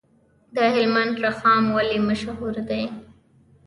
د هلمند رخام ولې مشهور دی؟